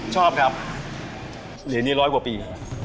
ชอบครับเหลียวนี่ร้อยกว่าปี